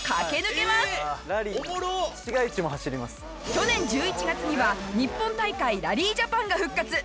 去年１１月には日本大会ラリージャパンが復活！